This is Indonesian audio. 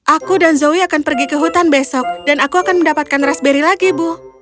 aku dan zoe akan pergi ke hutan besok dan aku akan mendapatkan raspberry lagi bu